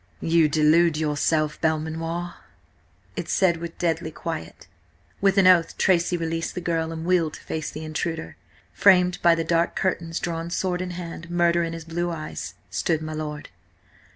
"You delude yourself, Belmanoir," it said with deadly quiet. With an oath Tracy released the girl and wheeled to face the intruder. Framed by the dark curtains, drawn sword in hand, murder in his blue eyes, stood my lord.